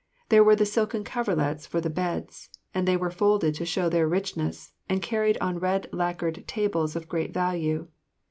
There were the silken coverlets for the beds, and they were folded to show their richness and carried on red lacquered tables of great value.